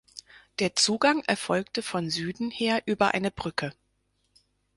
Der Zugang erfolgte von Süden her über eine Brücke.